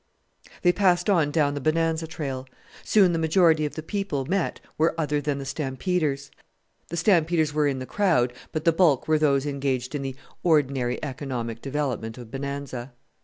They passed on down the Bonanza trail; soon the majority of the people met were other than the stampeders. The stampeders were in the crowd, but the bulk were those engaged in the ordinary economic development of Bonanza.